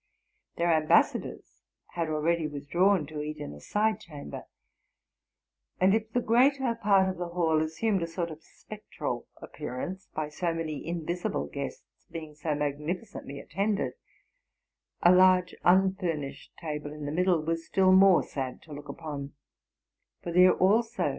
Their ambassadors had already withdrawn to eat in a side chamber; and if the greater part of the hall assumed a sort of spectral appearance, by so many invisible guests being so magnificently attended, a large unfurnished table in the middle was still more sad to look upon; for there, also.